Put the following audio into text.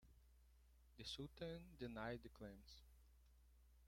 The Sultan denied the claims.